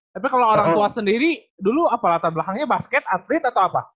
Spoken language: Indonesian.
tapi kalau orang tua sendiri dulu apa latar belakangnya basket atlet atau apa